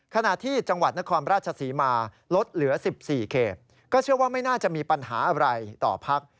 ขณะที่จังหวัดนครราชศรีมาลดเหลือ๑๔เขตก็เชื่อว่าไม่น่าจะมีปัญหาอะไรต่อพัก